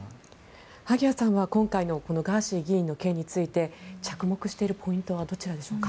萩谷さんは今回のこのガーシー議員について着目しているポイントはどちらでしょうか？